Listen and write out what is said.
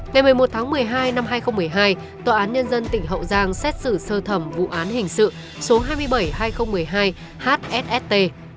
ngày một mươi một tháng một mươi hai năm hai nghìn một mươi hai tòa án nhân dân tỉnh hậu giang xét xử sơ thẩm vụ án hình sự số hai mươi bảy hai nghìn một mươi hai hst